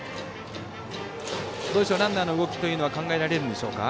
ランナーの動きというのは考えられるんでしょうか？